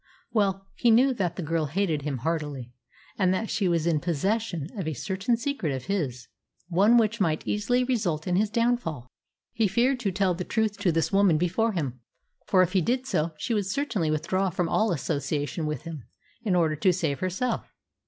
Well he knew that the girl hated him heartily, and that she was in possession of a certain secret of his one which might easily result in his downfall. He feared to tell the truth to this woman before him, for if he did so she would certainly withdraw from all association with him in order to save herself.